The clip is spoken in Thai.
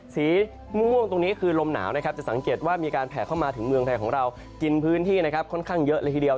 สีม่วงตรงนี้คือลมหนาวนะครับจะสังเกตว่ามีการแผ่เข้ามาถึงเมืองไทยของเรากินพื้นที่นะครับค่อนข้างเยอะเลยทีเดียว